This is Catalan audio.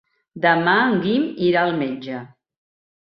Demà en Guim irà al metge.